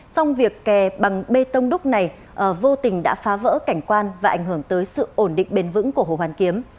xong việc kè bằng bê tông đúc này vô tình đã phá vỡ cảnh quan và ảnh hưởng tới sự ổn định bền vững của hồ hoàn kiếm